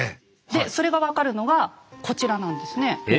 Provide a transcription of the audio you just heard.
でそれが分かるのがこちらなんですね。